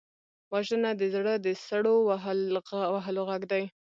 وژنه د زړه د سړو وهلو غږ دی